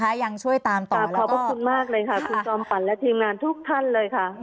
ขอบคุณมากเลยค่ะคุณจอมปั่นและทีมงานทุกท่านเลยค่ะ